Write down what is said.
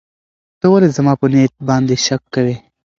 ته ولې زما په نیت باندې شک کوې؟